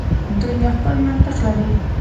دنیا خپل منطق لري.